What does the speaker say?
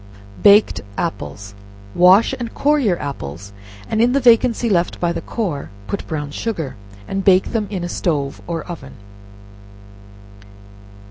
Baked Apples. Wash and core your apples, and in the vacancy left by the core, put brown sugar, and bake them in a stove or oven.